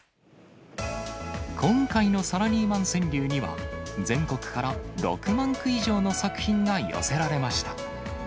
今回のサラリーマン川柳には、全国から６万句以上の作品が寄せられました。